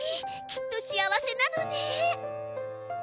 きっと幸せなのね。